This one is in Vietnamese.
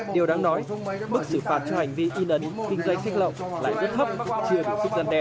điều đáng nói bức xử phạt cho hành vi y nấn kinh doanh sách lậu lại rất thấp chưa được xúc gần đe